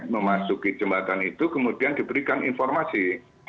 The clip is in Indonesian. memasuki jembatan itu kemudian diberikan informasi